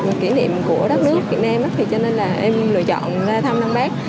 một kỷ niệm của đất nước việt nam cho nên là em lựa chọn ra tăm bác